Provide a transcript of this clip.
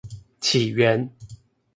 起源